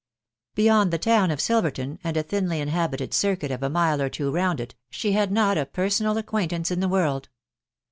Beyond the town of Silverton, and a thinly inhabited circuit of a mile or two round it, £hc had not a personal acquaintance in the world.